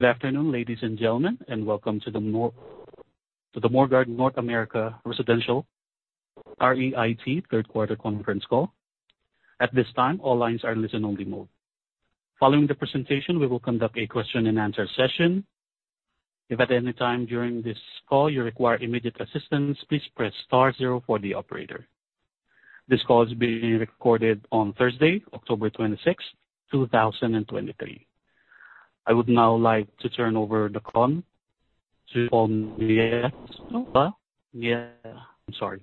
Good afternoon, ladies and gentlemen, and welcome to the Morguard North American Residential REIT third quarter conference call. At this time, all lines are in listen-only mode. Following the presentation, we will conduct a question-and-answer session. If at any time during this call you require immediate assistance, please press star zero for the operator. This call is being recorded on Thursday, 26 October 2023. I would now like to turn over the call to Paul Miatello, yeah, I'm sorry,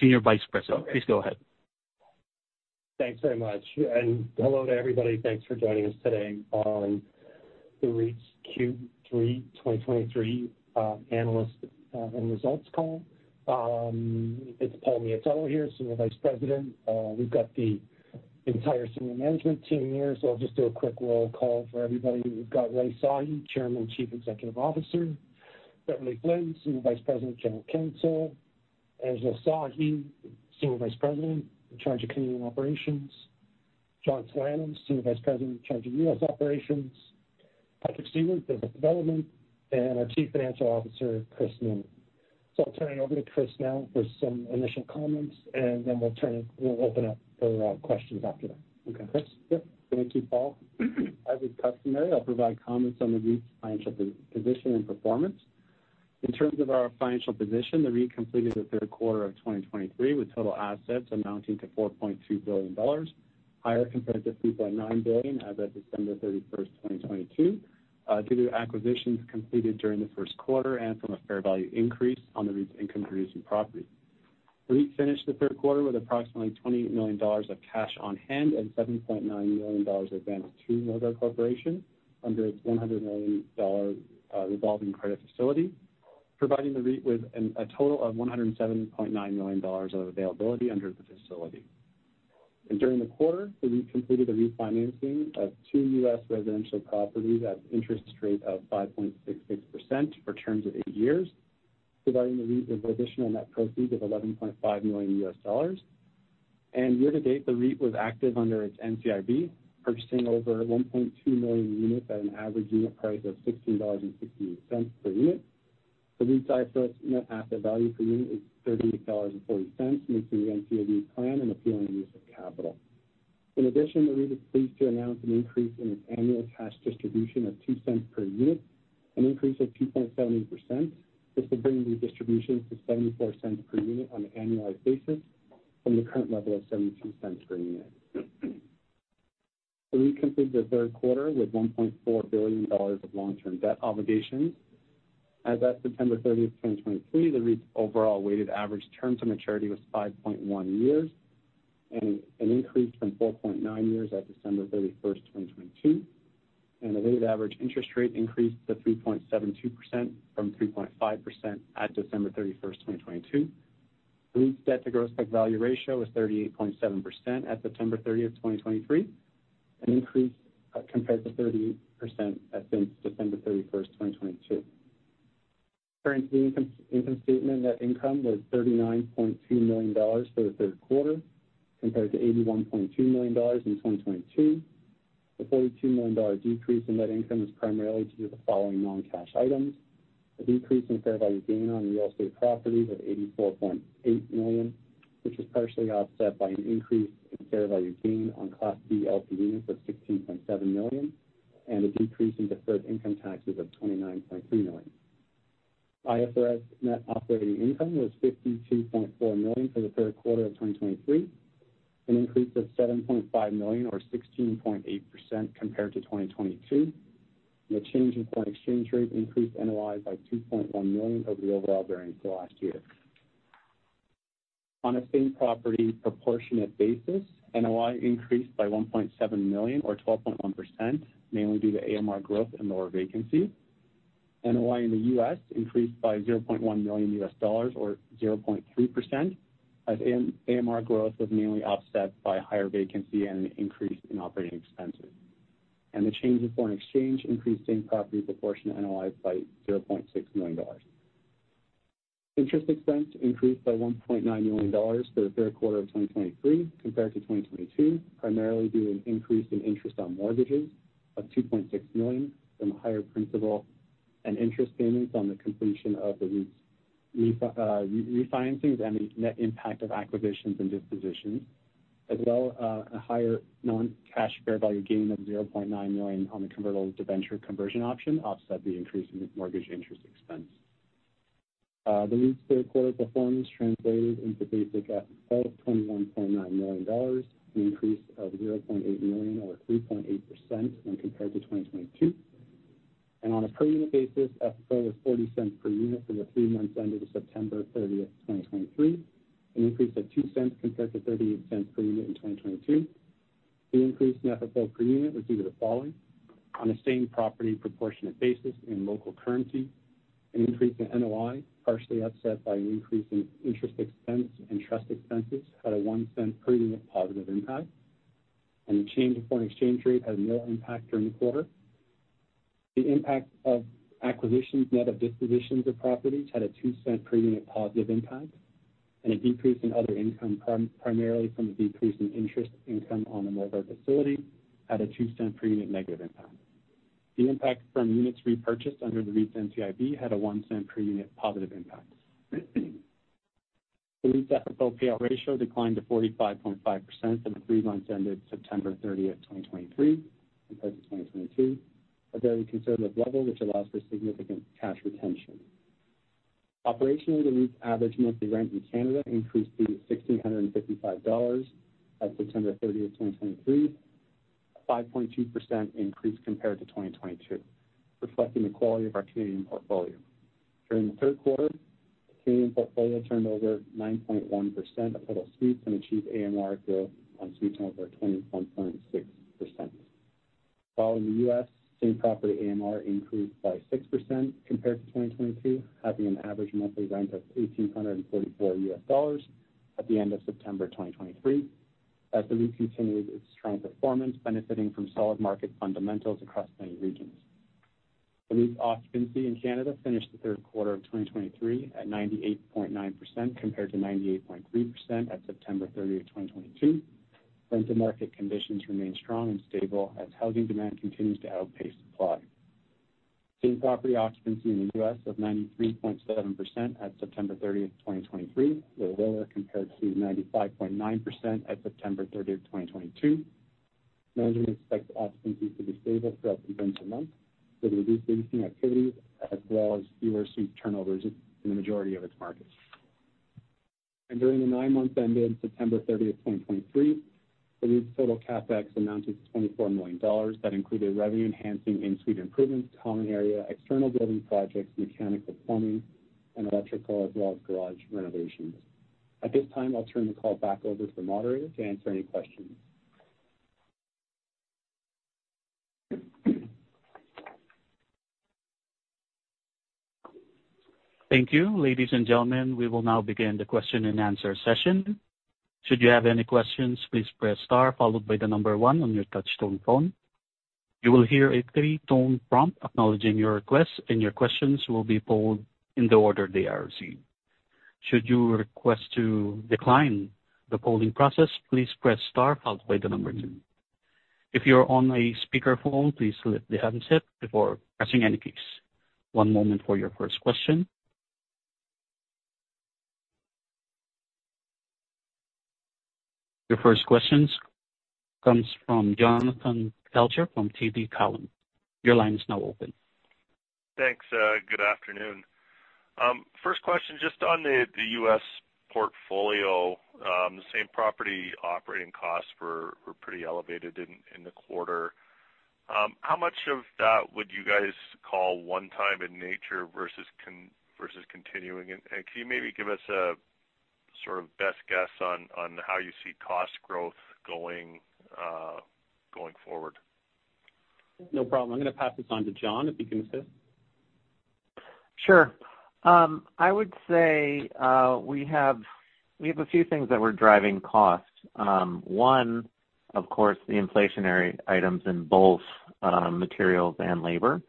Senior Vice President. Please go ahead. Thanks very much, and hello to everybody. Thanks for joining us today on the REIT's Q3 2023 analyst and results call. It's Paul Miatello here, Senior Vice President. We've got the entire senior management team here, so I'll just do a quick roll call for everybody. We've got Rai Sahi, Chairman and Chief Executive Officer; Beverley Flynn, Senior Vice President, General Counsel; Angela Sahi, Senior Vice President in charge of Canadian Operations; John Talano, Senior Vice President in charge of U.S. Operations; Patrick Stevens, Business Development; and our Chief Financial Officer, Chris Newman. So I'll turn it over to Chris now for some initial comments, and then we'll open up for questions after that. Okay. Chris? Yep. Thank you, Paul. As is customary, I'll provide comments on the REIT's financial position and performance. In terms of our financial position, the REIT completed the third quarter of 2023, with total assets amounting to 4.2 billion dollars, higher compared to 3.9 billion as of 31 December 2022, due to acquisitions completed during the first quarter and from a fair value increase on the REIT's income-producing properties. The REIT finished the third quarter with approximately 20 million dollars of cash on hand and 7.9 million dollars advanced through Morguard Corporation under its 100 million dollar revolving credit facility, providing the REIT with a total of 107.9 million dollars of availability under the facility. During the quarter, the REIT completed a refinancing of two U.S. residential properties at an interest rate of 5.66% for terms of eight years, providing the REIT with additional net proceeds of $11.5 million. Year to date, the REIT was active under its NCIB, purchasing over 1.2 million units at an average unit price of 16.68 dollars per unit. The REIT's IFRS net asset value per unit is 38.40 dollars, making the NCIB plan an appealing use of capital. In addition, the REIT is pleased to announce an increase in its annual cash distribution of CAD 0.02 per unit, an increase of 2.78%. This will bring the distribution to CAD 0.74 per unit on an annualized basis from the current level of CAD 0.72 per unit. The REIT completed the third quarter with CAD 1.4 billion of long-term debt obligations. As of 30 September, 2023, the REIT's overall weighted average term to maturity was 5.1 years, an increase from 4.9 years at December thirty-first, 2022, and the weighted average interest rate increased to 3.72% from 3.5% at December thirty-first, 2022. The REIT's debt to gross book value ratio was 38.7% at 30 September, 2023, an increase compared to 30% as of 31 December 2022. Turning to the income statement, net income was CAD 39.2 million for the third quarter, compared to 81.2 million dollars in 2022. The 42 million dollar decrease in net income was primarily due to the following non-cash items: a decrease in fair value gain on real estate properties of 84.8 million, which was partially offset by an increase in fair value gain on Class B LP Units of CAD 16.7 million, and a decrease in deferred income taxes of 29.3 million. IFRS net operating income was 52.4 million for the third quarter of 2023, an increase of 7.5 million or 16.8% compared to 2022. The change in foreign exchange rate increased NOI by 2.1 million over the overall variance for last year. On a same-property proportionate basis, NOI increased by 1.7 million or 12.1%, mainly due to AMR growth and lower vacancy. NOI in the U.S. increased by $0.1 million, or 0.3%, as AMR growth was mainly offset by higher vacancy and an increase in operating expenses. The change in foreign exchange increased same property proportionate NOI by $0.6 million. Interest expense increased by $1.9 million for the third quarter of 2023 compared to 2022, primarily due to an increase in interest on mortgages of $2.6 million from a higher principal, and interest payments on the completion of the REIT's refinancings and the net impact of acquisitions and dispositions. As well, a higher non-cash fair value gain of $0.9 million on the convertible debenture conversion option offset the increase in mortgage interest expense. The REIT's third quarter performance translated into basic FFO of 21.9 million dollars, an increase of 0.8 million or 3.8% when compared to 2022. On a per-unit basis, FFO was 0.40 per unit for the three months ended 30 September 2023, an increase of 0.02 compared to 0.38 per unit in 2022. The increase in FFO per unit was due to the following: On a same-property proportionate basis in local currency, an increase in NOI, partially offset by an increase in interest expense and trust expenses, had a 0.01 per unit positive impact, and the change in foreign exchange rate had no impact during the quarter. The impact of acquisitions net of dispositions of properties had a 0.02 per unit positive impact. A decrease in other income come primarily from the decrease in interest income on the revolving facility had a 0.02 per unit negative impact. The impact from units repurchased under the REIT's NCIB had a 0.01 per unit positive impact. The REIT's FFO payout ratio declined to 45.5% in the three months ended 30 September 2023 compared to 2022, a very conservative level, which allows for significant cash retention. Operationally, the REIT's average monthly rent in Canada increased to 1,655 dollars at 30 September 2023, a 5.2% increase compared to 2022, reflecting the quality of our Canadian portfolio. During the third quarter, the Canadian portfolio turned over 9.1% of total suites and achieved AMR growth on suite turnover of 21.6%. While in the U.S., same property AMR increased by 6% compared to 2022, having an average monthly rent of $1,844 at the end of September 2023, as the REIT continued its strong performance, benefiting from solid market fundamentals across many regions. The REIT's occupancy in Canada finished the third quarter of 2023 at 98.9%, compared to 98.3% at 30 September 2022. Rental market conditions remain strong and stable as housing demand continues to outpace supply. Same property occupancy in the U.S. of 93.7% at 30 September 2023, were lower compared to 95.9% at 30 September 2022. Management expects occupancy to be stable throughout the winter months, with reduced leasing activity as well as fewer suite turnovers in the majority of its markets. During the nine months ended 30 September, 2023, the REIT's total CapEx amounted to 24 million dollars. That included revenue-enhancing in-suite improvements, common area, external building projects, mechanical, plumbing, and electrical, as well as garage renovations. At this time, I'll turn the call back over to the moderator to answer any questions. Thank you. Ladies and gentlemen, we will now begin the question-and-answer session. Should you have any questions, please press star followed by the number one on your touchtone phone. You will hear a three-tone prompt acknowledging your request, and your questions will be polled in the order they are received. Should you request to decline the polling process, please press star followed by the number two. If you are on a speakerphone, please lift the handset before pressing any keys. One moment for your first question. Your first question comes from Jonathan Kelcher from TD Cowen. Your line is now open. Thanks, good afternoon. First question, just on the U.S. portfolio, the same property operating costs were pretty elevated in the quarter. How much of that would you guys call one time in nature versus continuing? And can you maybe give us a sort of best guess on how you see cost growth going forward? No problem. I'm gonna pass this on to John, if he can assist. Sure. I would say we have a few things that were driving costs. One, of course, the inflationary items in both materials and labor.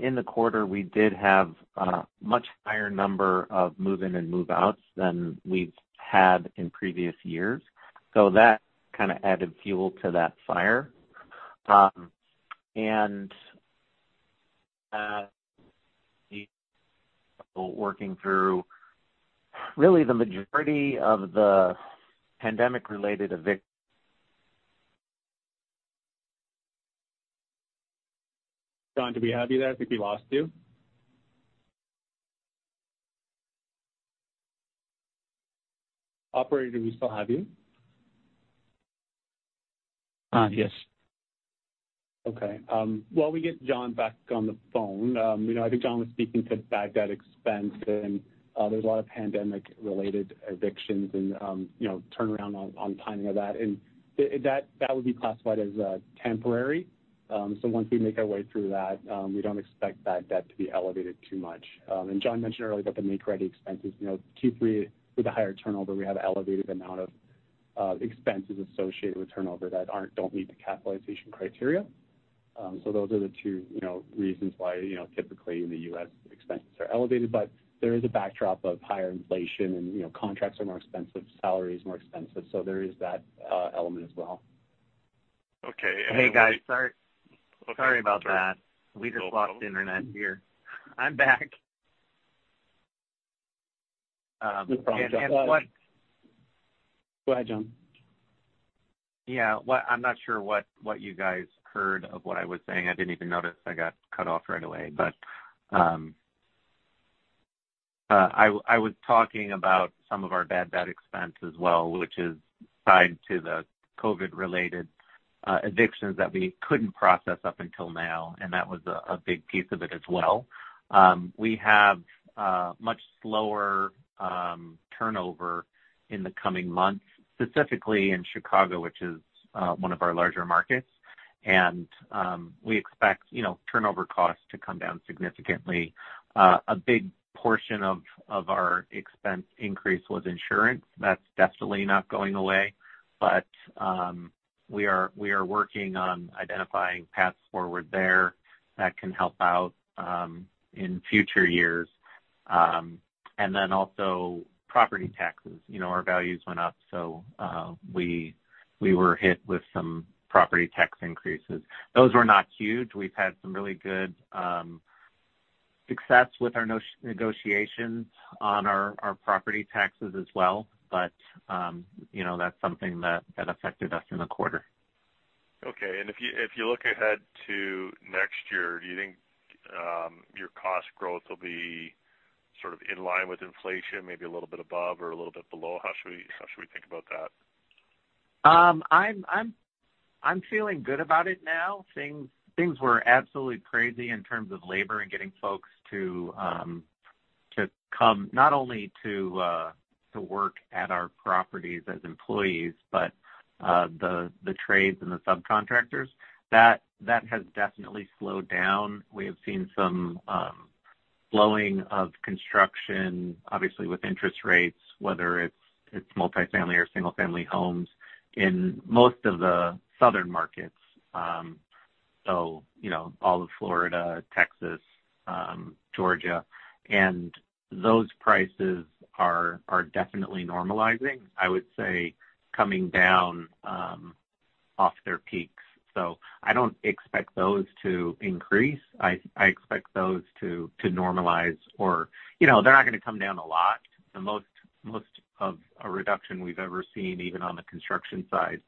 In the quarter, we did have a much higher number of move-in and move-outs than we've had in previous years. That kind of added fuel to that fire. Working through really the majority of the pandemic-related evic John, do we have you there? I think we lost you. Operator, do we still have you? Uh, yes. Okay, while we get John back on the phone, you know, I think John was speaking to the bad debt expense and, there's a lot of pandemic-related evictions and, you know, turnaround on, on timing of that, and that would be classified as temporary. So once we make our way through that, we don't expect that debt to be elevated too much. And John mentioned earlier about the make-ready expenses. You know, typically, with a higher turnover, we have an elevated amount of expenses associated with turnover that don't meet the capitalization criteria. So those are the two, you know, reasons why, you know, typically in the U.S., expenses are elevated. But there is a backdrop of higher inflation and, you know, contracts are more expensive, salaries more expensive, so there is that element as well. Okay. Hey, guys, sorry. Sorry about that. We just lost internet here. I'm back. And what- Go ahead, John. Yeah. Well, I'm not sure what you guys heard of what I was saying. I didn't even notice I got cut off right away. But I was talking about some of our bad debt expense as well, which is tied to the COVID-related evictions that we couldn't process up until now, and that was a big piece of it as well. We have much slower turnover in the coming months, specifically in Chicago, which is one of our larger markets. And we expect, you know, turnover costs to come down significantly. A big portion of our expense increase was insurance. That's definitely not going away. But we are working on identifying paths forward there that can help out in future years. And then also property taxes. You know, our values went up, so we were hit with some property tax increases. Those were not huge. We've had some really good success with our negotiations on our property taxes as well. But you know, that's something that affected us in the quarter. Okay. And if you, if you look ahead to next year, do you think, your cost growth will be sort of in line with inflation, maybe a little bit above or a little bit below? How should we, how should we think about that? I'm feeling good about it now. Things were absolutely crazy in terms of labor and getting folks to come, not only to work at our properties as employees, but the trades and the subcontractors. That has definitely slowed down. We have seen some slowing of construction, obviously, with interest rates, whether it's multifamily or single-family homes in most of the southern markets. So, you know, all of Florida, Texas, Georgia, and those prices are definitely normalizing. I would say coming down off their peaks. So I don't expect those to increase. I expect those to normalize or you know, they're not gonna come down a lot. The most of a reduction we've ever seen, even on the construction side,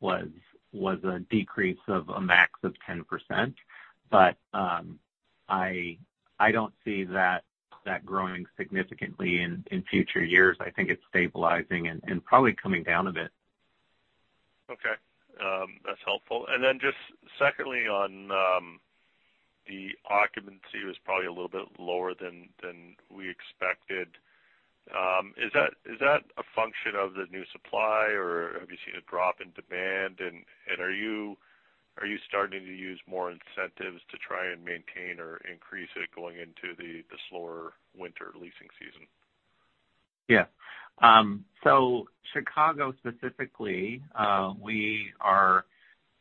was a decrease of a max of 10%. But, I don't see that growing significantly in future years. I think it's stabilizing and probably coming down a bit. Okay. That's helpful. And then just secondly, on the occupancy was probably a little bit lower than we expected. Is that a function of the new supply, or have you seen a drop in demand? And are you starting to use more incentives to try and maintain or increase it going into the slower winter leasing season? Yeah. So Chicago specifically, we are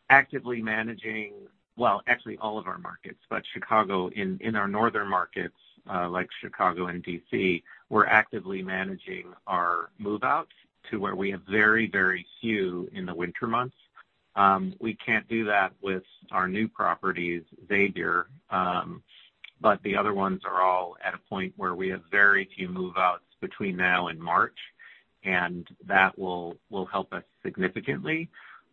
actively managing well, actually all of our markets, but Chicago, in our northern markets, like Chicago and D.C., we're actively managing our move-outs to where we have very, very few in the winter months. We can't do that with our new properties, Xavier, but the other ones are all at a point where we have very few move-outs between now and March, and that will help us significantly.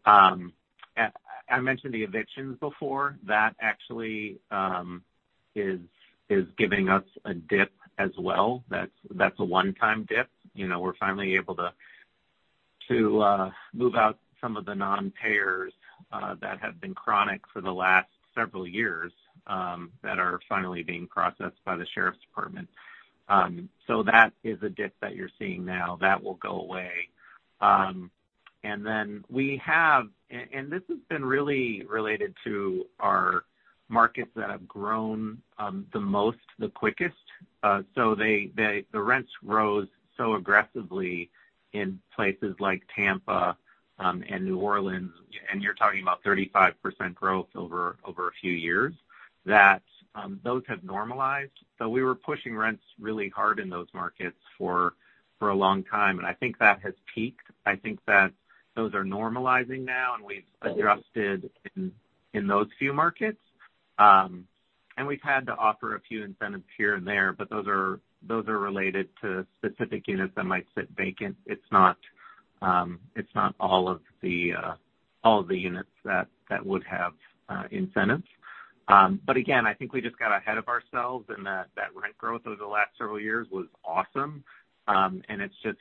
I mentioned the evictions before. That actually is giving us a dip as well. That's a one-time dip. You know, we're finally able to move out some of the non-payers that have been chronic for the last several years that are finally being processed by the sheriff's department. So that is a dip that you're seeing now. That will go away. And this has been really related to our markets that have grown the most, the quickest. They, the rents rose so aggressively in places like Tampa and New Orleans, and you're talking about 35% growth over a few years, that those have normalized. We were pushing rents really hard in those markets for a long time, and I think that has peaked. I think that those are normalizing now, and we've adjusted in those few markets. We've had to offer a few incentives here and there, but those are related to specific units that might sit vacant. It's not all of the units that would have incentives. But again, I think we just got ahead of ourselves, and that rent growth over the last several years was awesome. And it's just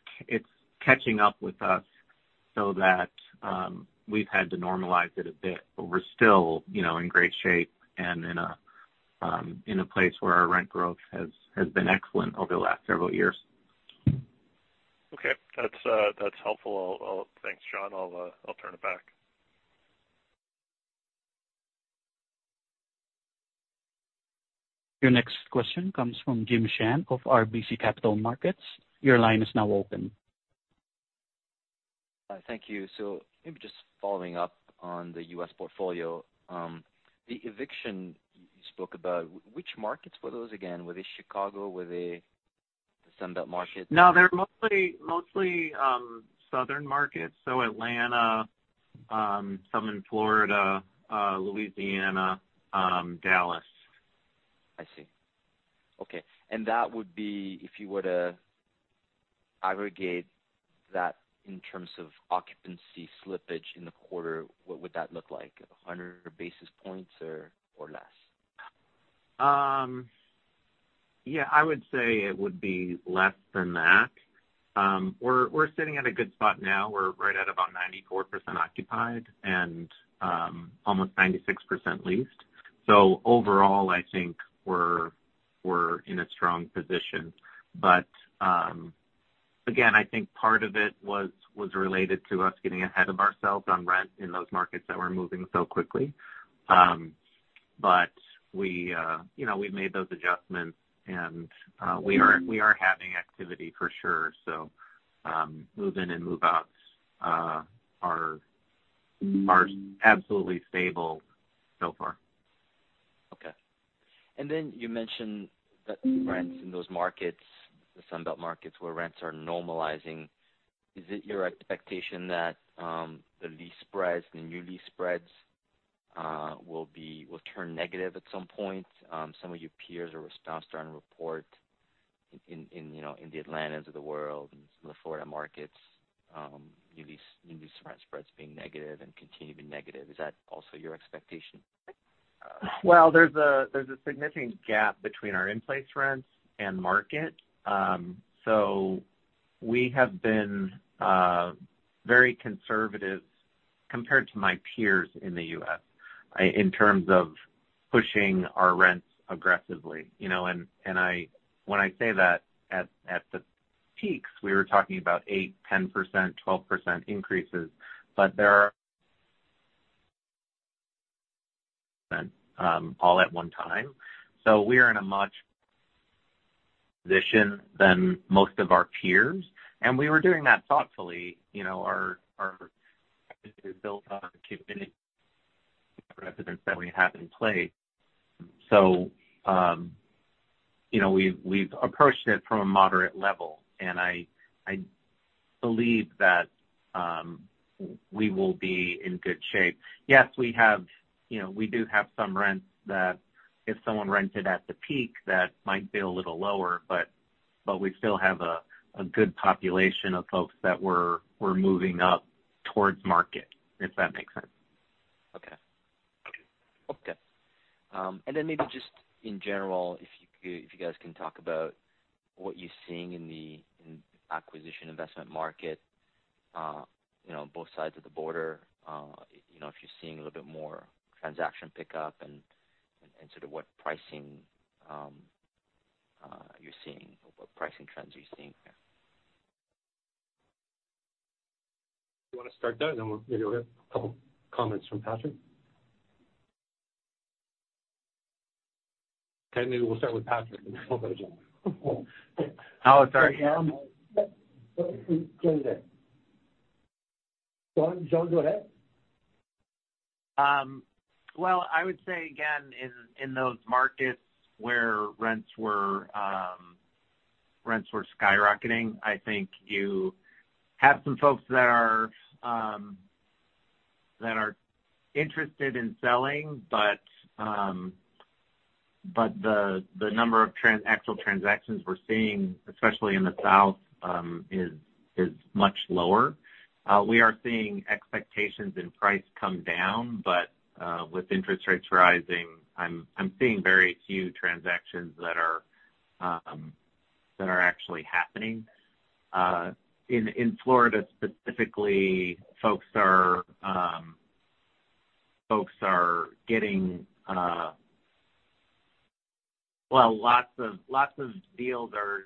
catching up with us so that we've had to normalize it a bit. But we're still, you know, in great shape and in a place where our rent growth has been excellent over the last several years. Okay. That's helpful. I'll thanks, John. I'll turn it back. Your next question comes from Jimmy Shan of RBC Capital Markets. Your line is now open. Thank you. Maybe just following up on the U.S. portfolio. The eviction you spoke about, which markets were those again? Were they Chicago? Were they the Sunbelt markets? No, they're mostly, mostly, southern markets, so Atlanta, some in Florida, Louisiana, Dallas. I see. Okay. And that would be if you were to aggregate that in terms of occupancy slippage in the quarter, what would that look like? 100 basis points or, or less? Yeah, I would say it would be less than that. We're sitting at a good spot now. We're right at about 94% occupied and almost 96% leased. Overall, I think we're in a strong position. I think part of it was related to us getting ahead of ourselves on rent in those markets that were moving so quickly. We, you know, we've made those adjustments, and we are having activity for sure. Move-in and move-outs are absolutely stable so far. Okay. You mentioned that rents in those markets, the Sunbelt markets, where rents are normalizing, is it your expectation that the lease spreads, the new lease spreads, will turn negative at some point? Some of your peers are starting to report in, you know, in the Atlantas of the world and some of the Florida markets, new lease, new lease rent spreads being negative and continue to be negative. Is that also your expectation? Well, there's a significant gap between our in-place rents and market. We have been very conservative compared to my peers in the U.S. in terms of pushing our rents aggressively, you know, and I when I say that, at the peaks, we were talking about 8%, 10%, 12% increases, all at one time. We are in a much better position than most of our peers, and we were doing that thoughtfully. You know, ours is built on residents that we have in place. We've approached it from a moderate level, and I believe that we will be in good shape. Yes, we have, you know, we do have some rents that if someone rented at the peak, that might be a little lower, but we still have a good population of folks that we're moving up towards market, if that makes sense. Okay. And then maybe just in general, if you, if you guys can talk about what you're seeing in the, in acquisition investment market, you know, on both sides of the border. You know, if you're seeing a little bit more transaction pickup and, and sort of what pricing, you're seeing or what pricing trends are you seeing there? You want to start, John, and then we'll maybe have a couple comments from Patrick? Okay, maybe we'll start with Patrick and we'll go John. Oh, sorry. Go ahead, John. John, go ahead. Well, I would say again, in those markets where rents were, rents were skyrocketing, I think you have some folks that are interested in selling, but the number of actual transactions we're seeing, especially in the South, is much lower. We are seeing expectations in price come down, but with interest rates rising, I'm seeing very few transactions that are actually happening. In Florida, specifically, folks are getting, well, lots of deals are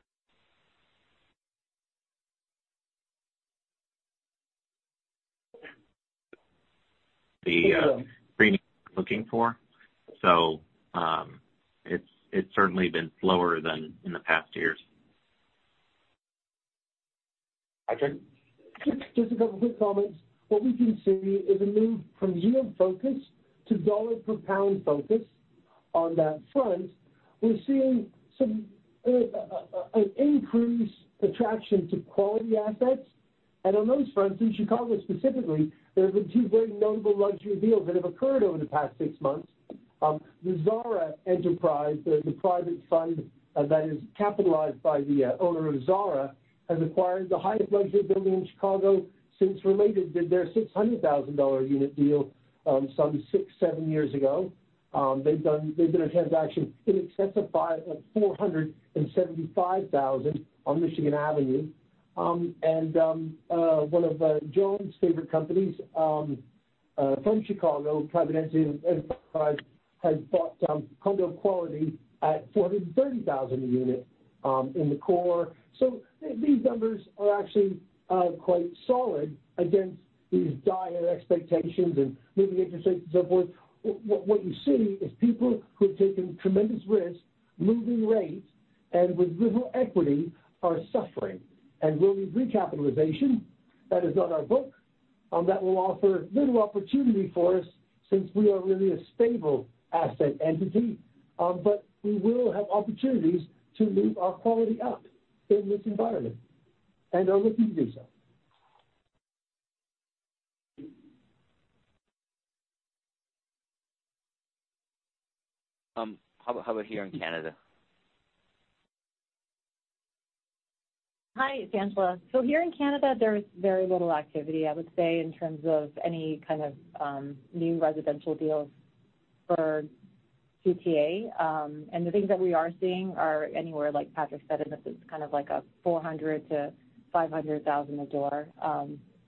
the looking for. It's certainly been slower than in the past years. Patrick? Just a couple quick comments. What we can see is a move from yield focus to dollar-per-pound focus. On that front, we're seeing some increased attraction to quality assets. On those fronts, in Chicago specifically, there have been two very notable luxury deals that have occurred over the past six months. The Zara enterprise, the private fund that is capitalized by the owner of Zara, has acquired the highest luxury building in Chicago since Related did their $600,000 unit deal some six, seven years ago. They've done a transaction in excess of $475,000 on Michigan Avenue. And one of John's favorite companies from Chicago, Providence Enterprise, has bought condo quality at $430,000 a unit in the core. So these numbers are actually quite solid against these dire expectations and moving interest rates and so forth. What you see is people who have taken tremendous risk, moving rates, and with little equity, are suffering. And where we've recapitalized, that is on our books, that will offer little opportunity for us since we are really a stable asset entity. But we will have opportunities to move our quality up in this environment and are looking to do so. How about, how about here in Canada? Hi, it's Angela. So here in Canada, there's very little activity, I would say, in terms of any kind of new residential deals for GTA. And the things that we are seeing are anywhere, like Patrick said, in this is kind of like a 400,000-500,000 a door.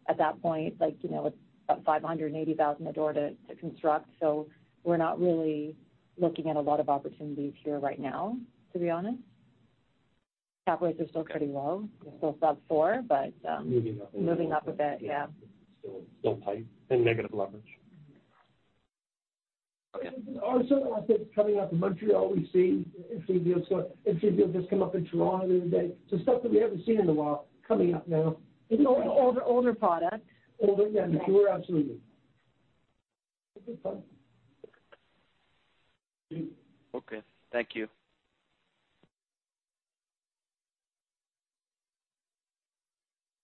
At that point, like, you know, it's about 580,000 a door to, to construct. So we're not really looking at a lot of opportunities here right now, to be honest cap rates are still pretty low. They're still sub-four, but Moving up. Moving up a bit. Yeah. Still, still tight and negative leverage. Also, I think coming out of Montreal, we see NCV deals. So NCV deals just come up in Toronto the other day. So stuff that we haven't seen in a while coming up now. It's older, older product. Older, yeah. Sure. Absolutely. Okay. Thank you.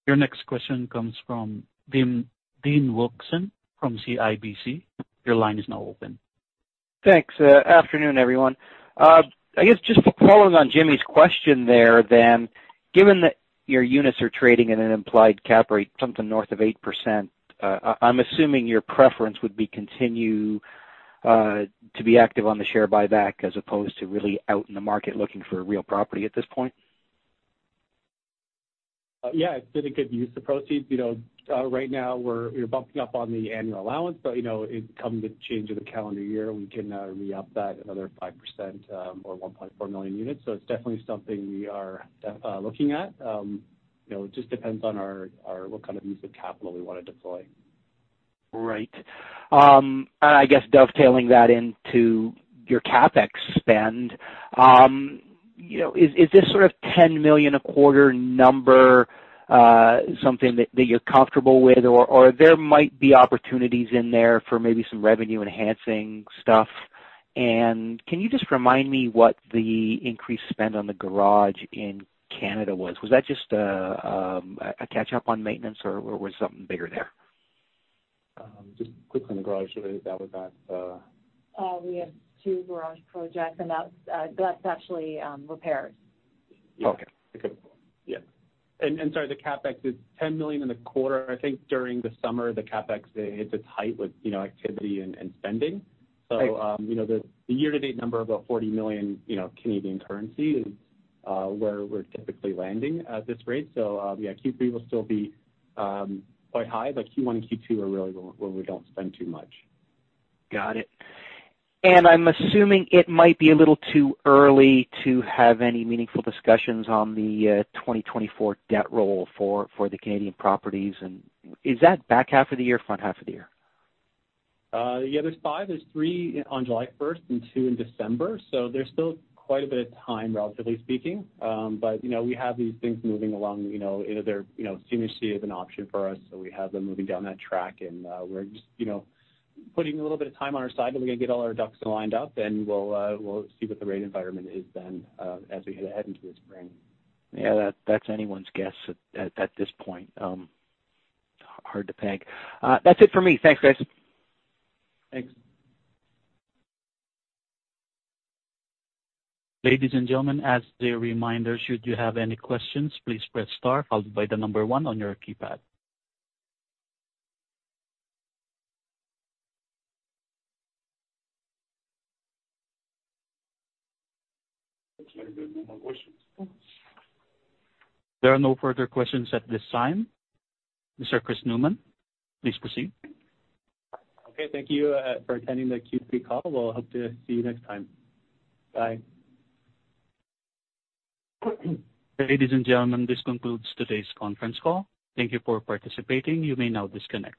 Your next question comes from Dean, Dean Wilkinson from CIBC. Your line is now open. Thanks. Afternoon, everyone. I guess just following on Jimmy's question there then, given that your units are trading at an implied cap rate, something north of 8%, I'm assuming your preference would be continue to be active on the share buyback as opposed to really out in the market looking for real property at this point? Yeah, it's been a good use of proceeds. You know, right now we're bumping up on the annual allowance, but, you know, it come the change of the calendar year, we can re-up that another 5%, or 1.4 million units. So it's definitely something we are looking at. You know, it just depends on our what kind of use of capital we want to deploy. Right. And I guess dovetailing that into your CapEx spend, you know, is this sort of 10 million a quarter number something that you're comfortable with, or there might be opportunities in there for maybe some revenue-enhancing stuff? And can you just remind me what the increased spend on the garage in Canada was? Was that just a catch up on maintenance, or was something bigger there? Just quickly on the garage, that was at We had two garage projects, and that's actually repairs. Okay. Yeah. And sorry, the CapEx is 10 million in the quarter. I think during the summer, the CapEx hit its height with, you know, activity and spending. Right. So, you know, the year-to-date number of about 40 million, you know, Canadian currency is where we're typically landing at this rate. So, yeah, Q3 will still be quite high, but Q1 and Q2 are really where we don't spend too much. Got it. And I'm assuming it might be a little too early to have any meaningful discussions on the 2024 debt roll for the Canadian properties. And is that back half of the year, front half of the year? Yeah, there's five. There's three on 1 July and 2 in December, so there's still quite a bit of time, relatively speaking. But, you know, we have these things moving along. You know, you know, they're, you know, CMHC is an option for us, so we have them moving down that track, and, we're just, you know, putting a little bit of time on our side, but we're gonna get all our ducks lined up, and we'll, we'll see what the rate environment is then, as we head into the spring. Yeah, that's anyone's guess at this point. Hard to peg. That's it for me. Thanks, guys. Thanks. Ladies and gentlemen, as a reminder, should you have any questions, please press star, followed by the number one on your keypad. Looks like there are no more questions. There are no further questions at this time. Mr. Chris Newman, please proceed. Okay, thank you, for attending the Q3 call. We'll hope to see you next time. Bye. Ladies and gentlemen, this concludes today's conference call. Thank you for participating. You may now disconnect.